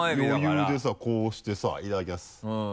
余裕でさこうしてさいただきます。